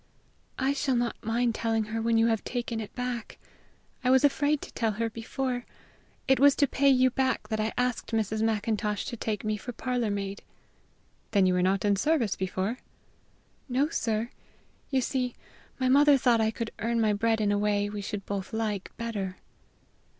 "I shall not mind telling her when you have taken it back. I was afraid to tell her before! It was to pay you back that I asked Mrs. Macintosh to take me for parlor maid." "Then you were not in service before?" "No, sir. You see, my mother thought I could earn my bread in a way we should both like better."